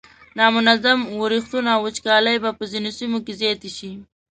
نامنظم ورښتونه او وچکالۍ به په ځینو سیمو کې زیاتې شي.